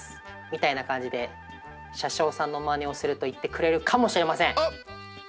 みたいな感じで車掌さんのマネをすると行ってくれるかもしれません。